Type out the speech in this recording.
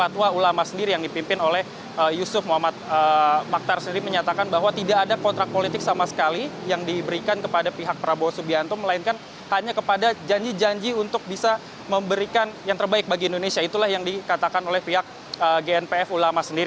terima kasih kepada ulama atas kepercayaan yang begitu dikas